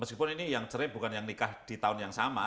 meskipun ini yang cerai bukan yang nikah di tahun yang sama